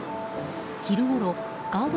昼ごろ、ガード